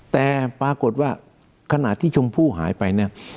แต่ปรากฏว่าขณะที่ชมพู่หายไปเนี่ย